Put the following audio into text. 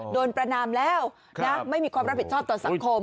ประนามแล้วนะไม่มีความรับผิดชอบต่อสังคม